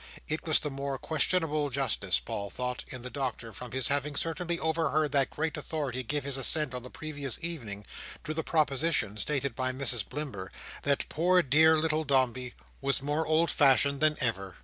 It was the more questionable justice, Paul thought, in the Doctor, from his having certainly overheard that great authority give his assent on the previous evening, to the proposition (stated by Mrs Blimber) that poor dear little Dombey was more old fashioned than ever.